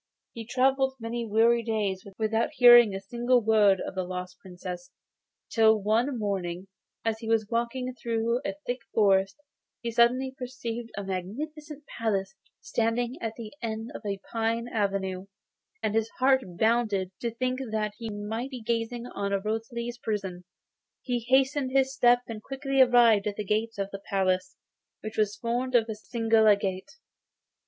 He travelled many weary days without hearing a single word of the lost Princess, till one morning, as he was walking through a thick forest, he suddenly perceived a magnificent palace standing at the end of a pine avenue, and his heart bounded to think that he might be gazing on Rosalie's prison. He hastened his steps, and quickly arrived at the gate of the palace, which was formed of a single agate.